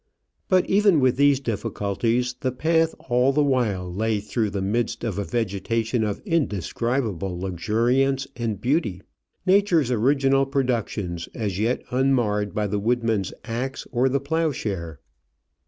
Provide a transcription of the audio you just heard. But, even with these difficulties, the path all the while lay through the midst of a Digitized by VjOOQIC OF AN Orchid Hunter, 67 vegetation of indescribable luxuriance and beauty — Nature's original productions as yet unmarred by the woodman's axe or the ploughshare.